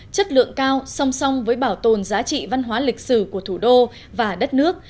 chất lượng cao song song với bảo tồn giá trị văn hóa lịch sử của thủ đô và đất nước